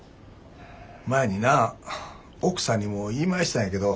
前にな奥さんにも言いましたんやけど。